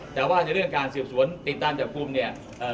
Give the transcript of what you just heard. แต่ว่าในเรื่องการสืบสวนติดตามจับกลุ่มเนี่ย